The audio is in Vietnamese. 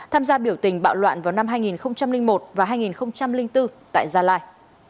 tham gia biểu tình bạo loạn vào năm hai nghìn một và hai nghìn bốn tại gia lai